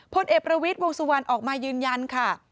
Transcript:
พลเอกประวิทย์วงสุวรรณออกมายืนยันค่ะ